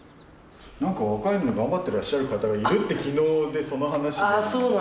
若いのに頑張ってらっしゃる方がいるって昨日その話になったんですね。